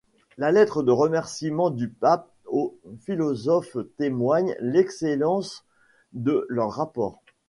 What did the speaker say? La lettre de remerciement du pape au philosophe témoigne l'excellence de leurs rapports.